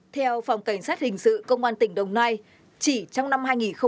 theo phòng cảnh sát hình sự công an tỉnh đồng nai chỉ trong năm hai nghìn hai mươi ba